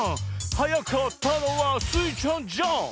「はやかったのはスイちゃんじゃん」